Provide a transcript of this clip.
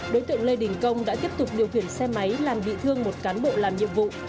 đối tượng lê đình công đã tiếp tục điều khiển xe máy làm bị thương một cán bộ làm nhiệm vụ